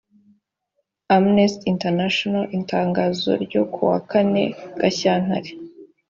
amnesty international itangazo ryo ku wa kane gashyantare